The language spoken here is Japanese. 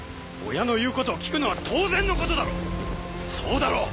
親の言うことを聞くのは当然のことだろそうだろ？